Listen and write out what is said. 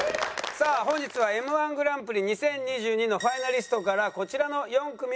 さあ本日はＭ−１グランプリ２０２２のファイナリストからこちらの４組に来ていただきました。